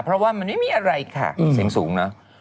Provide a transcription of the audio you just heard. เพราะว่ามันไม่มีอะไรค่ะเสียงสูงเนอะ